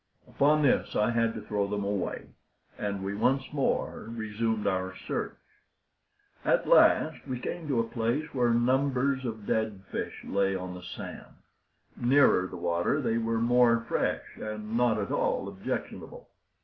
Upon this I had to throw them away, and we once more resumed our search. At last we came to a place where numbers of dead fish lay on the sand. Nearer the water they were more fresh, and not at all objectionable.